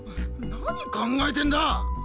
何考えてんだ！